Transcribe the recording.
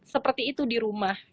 seperti itu di rumah